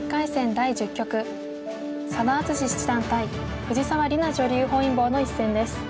第１０局佐田篤史七段対藤沢里菜女流本因坊の一戦です。